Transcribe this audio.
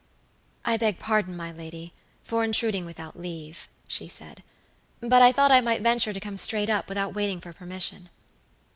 "I beg pardon, my lady, for intruding without leave," she said; "but I thought I might venture to come straight up without waiting for permission."